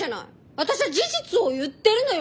私は事実を言ってるのよ。